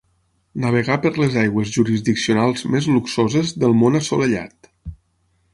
Navegar per les aigües jurisdiccionals més luxoses del món assolellat.